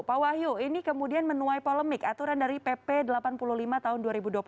pak wahyu ini kemudian menuai polemik aturan dari pp delapan puluh lima tahun dua ribu dua puluh satu